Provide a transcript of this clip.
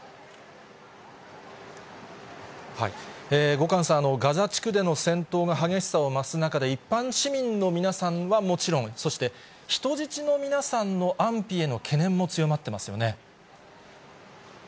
後閑さん、ガザ地区での戦闘が激しさを増す中で、一般市民の皆さんはもちろん、そして人質の皆さんの安否への懸念も強まってますよね。